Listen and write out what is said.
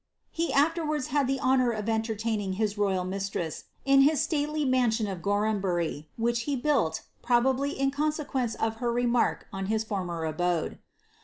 He afterwards had the honoof of enterlaining his royal mistress in his stalely mansion of Gorhambury, which he buill, probably in consequence of her remark on his former abode.